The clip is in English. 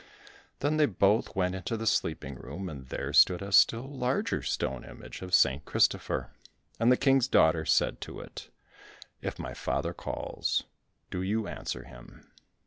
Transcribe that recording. Then they both went into the sleeping room, and there stood a still larger stone image of St. Christopher, and the King's daughter said to it, "If my father calls, do you answer him."